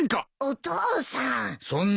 お父さん。